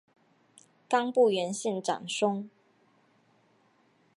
冈部元信长兄。